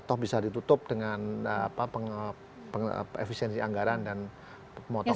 toh bisa ditutup dengan efisiensi anggaran dan pemotongan